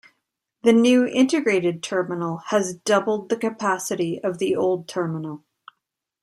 The new integrated terminal has doubled the capacity of the old terminal.